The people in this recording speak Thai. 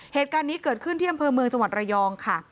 เหตุการณ์นี้เกิดขึ้นที่อำเภอเมืองจังหวัดระยองค่ะ